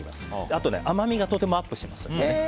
あと、甘みがとてもアップします。